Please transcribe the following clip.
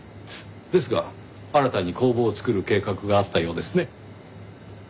ですが新たに工房を造る計画があったようですね？